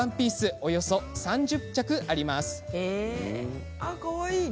およそ３０着あります。